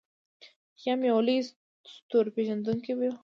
خیام یو لوی ستورپیژندونکی و.